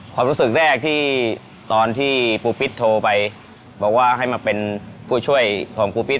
ความรู้สึกแรกที่ตอนที่ปูปิ๊ดโทรไปบอกว่าให้มาเป็นผู้ช่วยของปูปิ๊